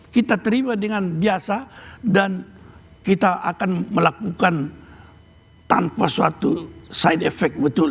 kita terima dengan biasa dan kita akan melakukan tanpa suatu side effect betul